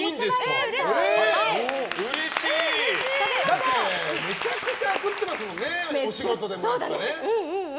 だって、めちゃくちゃ食ってますもんね、お仕事でも。